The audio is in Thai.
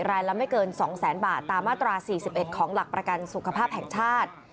รายละไม่เกิน๒แสนบาทตามมาตรา๔๑ของหลักประกันสุขภาพแห่งชาติ